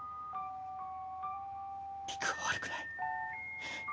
陸は悪くない。